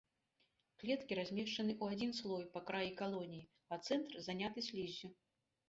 Клеткі размешчаны ў адзін слой па краі калоніі, а цэнтр заняты сліззю.